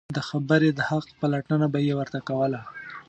د خبرې د حق پلټنه به یې ورته کوله.